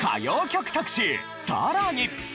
さらに。